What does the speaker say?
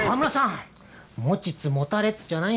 持ちつ持たれつじゃないんすか。